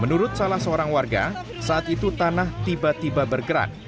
menurut salah seorang warga saat itu tanah tiba tiba bergerak